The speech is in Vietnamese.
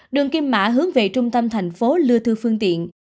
đường kim mã hướng về trung tâm thành phố lưu thư phương tiện